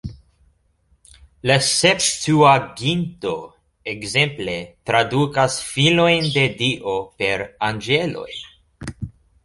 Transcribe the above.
La Septuaginto, ekzemple, tradukas "filojn de Dio" per "anĝeloj".